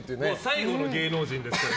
最後の芸能人ですから。